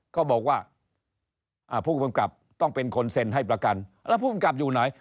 เขาบอกว่าผู้กำกับต้องเป็นคนเซ็นให้ประกันแล้วผู้กำกับอยู่ไหน